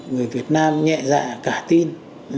người việt nam nhẹ dạ cả tin